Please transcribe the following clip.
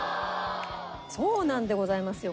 そうなんでございますよ